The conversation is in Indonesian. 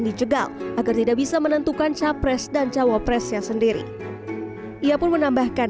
dijegal agar tidak bisa menentukan capres dan cawapresnya sendiri ia pun menambahkan